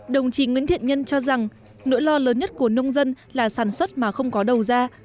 đồng chí nguyễn thiện nhân cho rằng nỗi lo lớn nhất của nông dân là sản xuất mà không có đầu ra